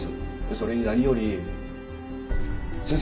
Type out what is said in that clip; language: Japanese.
それに何より先生